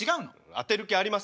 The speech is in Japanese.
当てる気あります？